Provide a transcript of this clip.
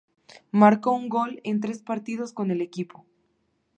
Marcó un gol en tres partidos con el equipo.